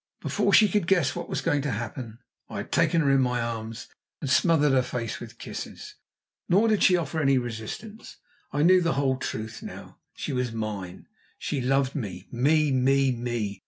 Before she could guess what was going to happen, I had taken her in my arms and smothered her face with kisses. Nor did she offer any resistance. I knew the whole truth now. She was mine, she loved me me me me!